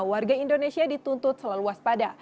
warga indonesia dituntut selalu waspada